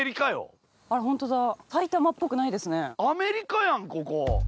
アメリカやんここ。